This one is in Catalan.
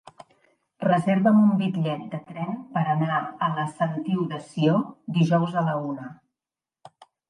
Reserva'm un bitllet de tren per anar a la Sentiu de Sió dijous a la una.